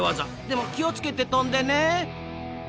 でも気を付けて飛んでね。